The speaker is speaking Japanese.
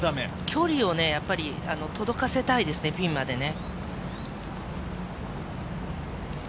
距離を届かせたいですね、ピンまでね。